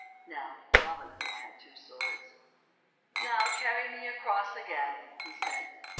Now Robin Hood had the two swords. "Now carry me across again," he said.